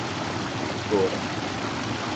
گورا